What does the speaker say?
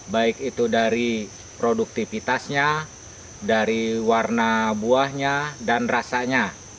baik itu dari produktivitasnya dari warna buahnya dan rasanya